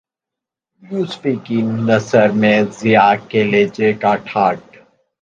یوسفی کی نثر میں ضیاء کے لہجے کا ٹھاٹ